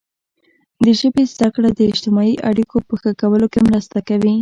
د ژبې زده کړه د اجتماعي اړیکو په ښه کولو کې مرسته کوي.